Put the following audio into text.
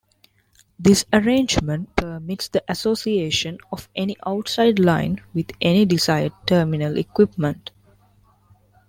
This arrangement permits the association of any outside line with any desired terminal equipment.